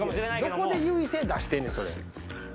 どこで優位性出してるねんそれ。